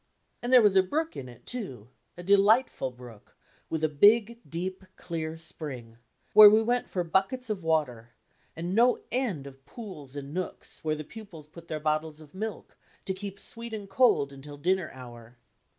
And there was a brook in it, too a delightful brook, with a big, deep, clear spring where we went for buckets of water, and no end of pools and nooks where the pupils put their botdes of milk to keep sweet and cold until dinner hour.